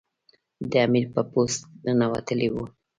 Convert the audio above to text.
د امیر په پوست ننوتلی وو.